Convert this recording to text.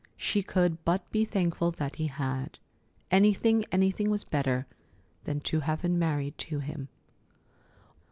She could but be thankful that he had. Anything, anything was better than to have been married to him.